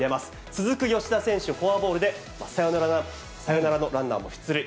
続く吉田選手、フォアボールでサヨナラのランナーも出塁。